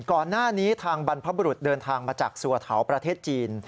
ก่อนหน้านี้ทางบรรพบรุษเดินทางมาจากสัวเถาประเทศจีน